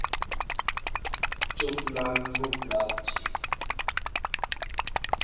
চোখ লাল, ঠোঁট লালচে।